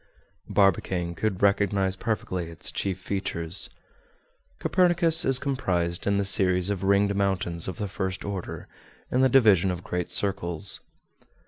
Barbicane could recognize perfectly its chief features. Copernicus is comprised in the series of ringed mountains of the first order, in the division of great circles.